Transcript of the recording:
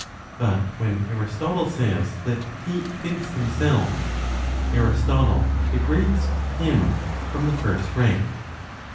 But when Aristotle says that He thinks himself, Aristotle degrades Him from the first rank.